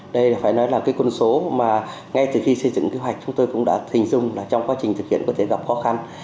đây là phải nói là cái con số mà ngay từ khi xây dựng kế hoạch chúng tôi cũng đã hình dung là trong quá trình thực hiện có thể gặp khó khăn